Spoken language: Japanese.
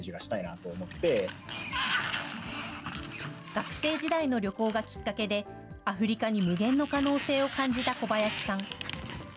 学生時代の旅行がきっかけで、アフリカに無限の可能性を感じた小林さん。